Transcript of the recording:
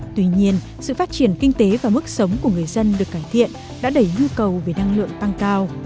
tuy nhiên sự phát triển kinh tế và mức sống của người dân được cải thiện đã đẩy nhu cầu về năng lượng tăng cao